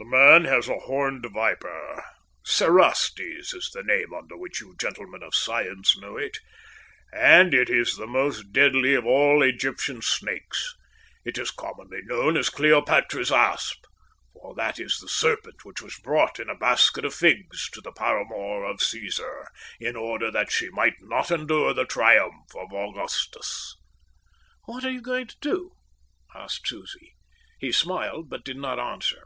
"The man has a horned viper, cerastes is the name under which you gentlemen of science know it, and it is the most deadly of all Egyptian snakes. It is commonly known as Cleopatra's Asp, for that is the serpent which was brought in a basket of figs to the paramour of Caesar in order that she might not endure the triumph of Augustus." "What are you going to do?" asked Susie. He smiled but did not answer.